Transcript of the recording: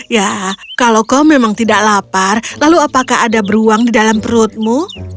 ya kalau kau memang tidak lapar lalu apakah ada beruang di dalam perutmu